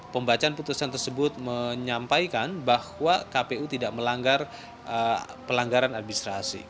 pembacaan putusan tersebut menyampaikan bahwa kpu tidak melanggar pelanggaran administrasi